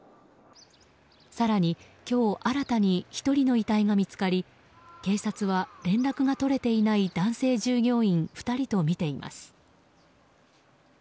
更に今日新たに１人の遺体が見つかり警察は連絡が取れていない男性従業員２人とみています。